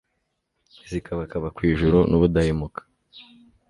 zikabakaba ku ijuru, n'ubudahemuka